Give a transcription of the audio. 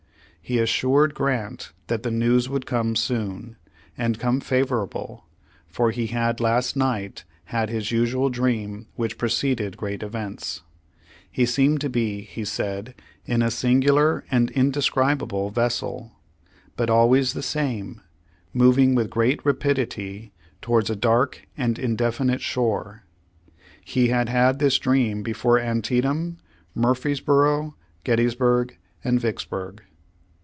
He assured Grant that the news would come soon, and come favorable, for he had last night had his usual dream which preceded great events. He seemed to be, he said, in a singular and indescribable vessel, but always the same, moving with great rapidity towards a dark and Page One Hundred eixty seven indefinite shore. He had had this dream before Antietam, Murfreesboro, Gettysburg, and Vicksburg."